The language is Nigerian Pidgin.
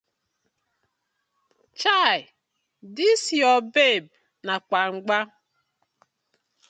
Chai dis yur babe na kpangba.